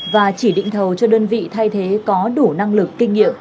và chỉ định thầu cho đơn vị thay thế có đủ năng lực kinh nghiệm